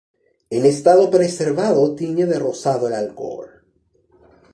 En estado preservado tiñe de rosado el alcohol.